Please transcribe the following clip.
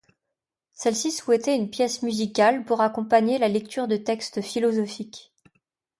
Celle-ci souhaitait une pièce musicale pour accompagner la lecture de textes philosophiques.